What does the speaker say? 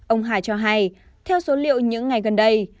ông hải cho hay theo số liệu những ngày gần đây